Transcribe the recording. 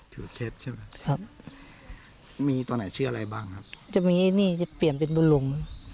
ถูกใช่ไหมครับมีตัวไหนเชื่ออะไรบ้างครับจะมีไอ้นี่จะเปลี่ยนเป็นบุญลงค์